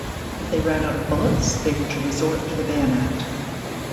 If they ran out of bullets they were to resort to the bayonet.